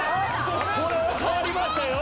これは変わりましたよ。